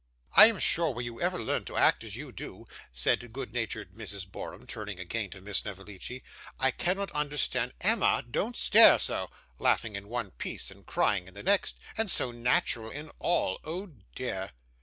'I am sure, where you ever learnt to act as you do,' said good natured Mrs. Borum, turning again to Miss Snevellicci, 'I cannot understand (Emma, don't stare so); laughing in one piece, and crying in the next, and so natural in all oh, dear!